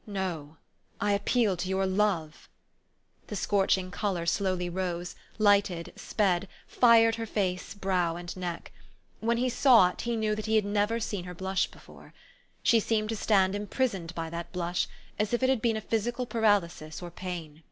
" No. I appeal to your love." The scorching color slowly rose, lighted, sped, fired her face, brow, and neck : when he saw it, he knew that he had never seen her blush before. She seemed to stand imprisoned by that blush, as if it had been a physical paralysis or pain.